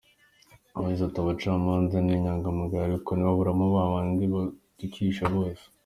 Yagize ati “Abacamanza ni inyangamugayo ariko ntihaburamo babandi batukisha bose.